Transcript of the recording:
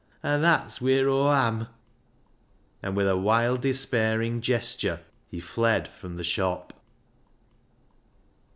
An' that's wheer Aw am." And with a wild despairing gesture he fled from the shop.